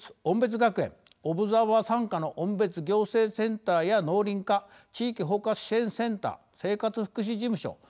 おんべつ学園オブザーバー参加の音別行政センターや農林課地域包括支援センター生活福祉事務所